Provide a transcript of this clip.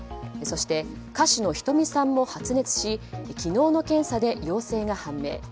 そして、歌手のｈｉｔｏｍｉさんも発熱し昨日の検査で陽性が判明。